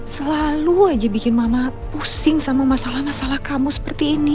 selalu aja bikin mama pusing sama masalah masalah kamu seperti ini